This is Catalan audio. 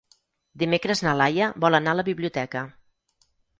Dimecres na Laia vol anar a la biblioteca.